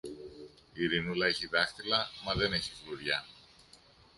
Η Ειρηνούλα έχει δάχτυλα, μα δεν έχει φλουριά!